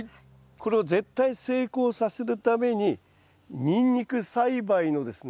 これを絶対成功させるためにニンニク栽培のですね